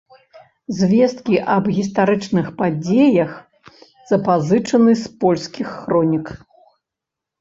Звесткі аб гістарычных падзеях запазычаны з польскіх хронік.